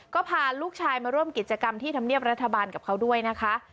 ก็พาลูกชายมาร่วมกิจกรรมที่ธรรมเนียบรัฐบาลกับเขาด้วยนะคะ